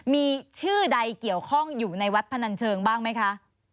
มีชื่อใดเกี่ยวข้องอยู่ในวัดพนันเชิงบ้างไหมคะ